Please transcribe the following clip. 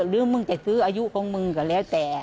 หรือมึงจะซื้ออายุของมึงก็แล้วแต่